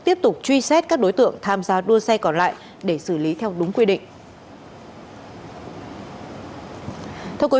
tiếp tục truy xét các đối tượng tham gia đua xe còn lại để xử lý theo đúng quy định